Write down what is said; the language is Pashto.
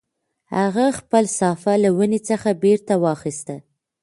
هغه خپله صافه له ونې څخه بېرته واخیسته.